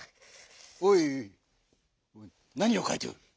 おいなにをかいておる？